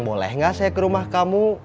boleh nggak saya ke rumah kamu